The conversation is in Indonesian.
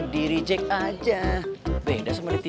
dirijek aja beda sama di tv ya